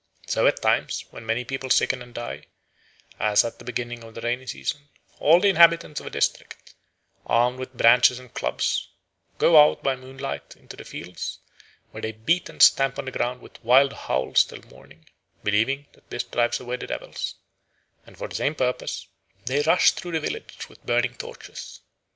So at times when many people sicken and die, as at the beginning of the rainy season, all the inhabitants of a district, armed with branches and clubs, go out by moonlight to the fields, where they beat and stamp on the ground with wild howls till morning, believing that this drives away the devils; and for the same purpose they rush through the village with burning torches.